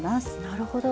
なるほど。